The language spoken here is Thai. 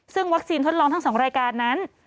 ซึ่งวัคซีนทดลองทั้ง๒รายการนั้น